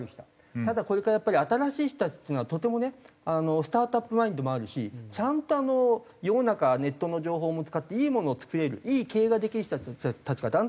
ただこれからやっぱり新しい人たちっていうのはとてもねスタートアップマインドもあるしちゃんと世の中ネットの情報も使っていいものを作れるいい経営ができる人たちがだんだん増えてきた。